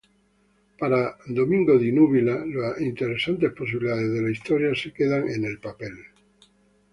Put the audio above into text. Para Domingo Di Núbila “las interesantes posibilidades de la historia quedaron en el papel.